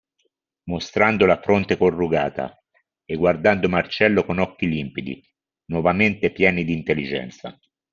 Mostrando la fronte corrugata, e guardando Marcello con occhi limpidi, nuovamente pieni d'intelligenza.